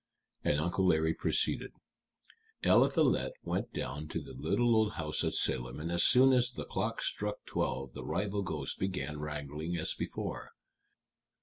And Uncle Larry proceeded: "Eliphalet went down to the little old house at Salem, and as soon as the clock struck twelve the rival ghosts began wrangling as before.